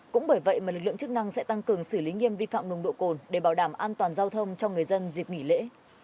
cũng bởi vậy mà lực lượng chức năng sẽ tăng cường xử lý nghiêm vi phạm nồng độ cồn để bảo đảm an toàn giao thông cho người dân dịp nghỉ lễ